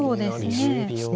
そうですね。